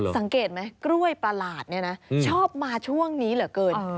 สังเกตไหมกล้วยประหลาดเนี่ยนะชอบมาช่วงนี้เหลือเกิน